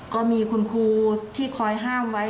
ก็มีคุณครูที่คอยห้ามไว้